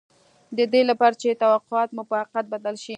د دې لپاره چې توقعات مو په حقیقت بدل شي